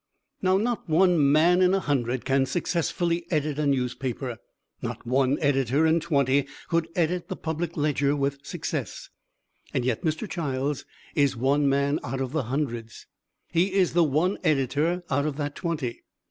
Not one man in a hundred can successfully edit a newspaper; not one editor in twenty could edit the Public Ledger with success. Yet, Mr. Childs is one man out of the hundreds he is the one editor out of that twenty.